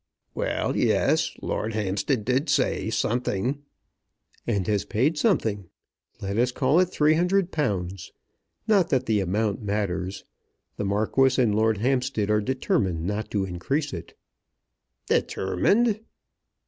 "Well, yes; Lord Hampstead did say something " "And has paid something. Let us call it £300. Not that the amount matters. The Marquis and Lord Hampstead are determined not to increase it." "Determined!"